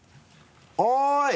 おい！